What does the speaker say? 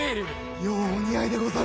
ようお似合いでござる！